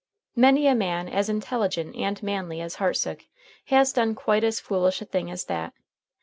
Many a man as intelligent and manly as Hartsook has done quite as foolish a thing as that.